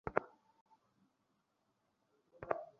হাঁটতে গেলে যানবাহনের চাকার আঘাতে পানি ছিটকে পোশাক নষ্ট হয়ে যায়।